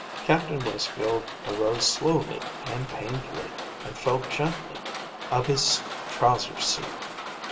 Captain Westfield arose slowly and painfully, and felt gently of his trousers' seat.